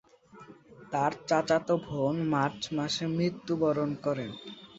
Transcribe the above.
তার চাচাতো বোন মার্চ মাসে মৃত্যুবরণ করে।